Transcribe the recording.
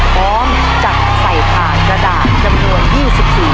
พร้อมจัดใส่ผ่านกระดาษนับมูล๒๔ปี